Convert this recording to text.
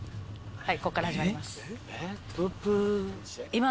はい。